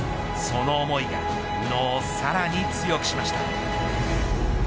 その思いが宇野をさらに強くしました。